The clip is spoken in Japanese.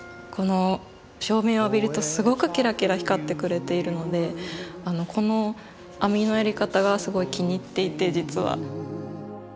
照明を浴びるとすごくキラキラ光ってくれているのでこの網のやり方がすごい気に入っていて実は。